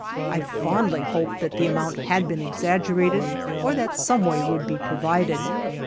I fondly hoped that the amount had been exaggerated or that some way would be provided.